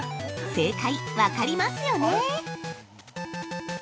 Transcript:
正解、分かりますよね？